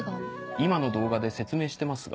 今の動画で説明してますが。